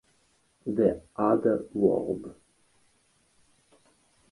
The otherworld.